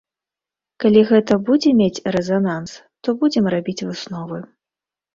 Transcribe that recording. Калі гэта будзе мець рэзананс, то будзем рабіць высновы.